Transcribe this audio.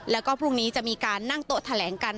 แล้วก็พรุ่งนี้จะมีการนั่งโต๊ะแถลงกัน